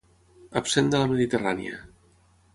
Absent de la Mediterrània.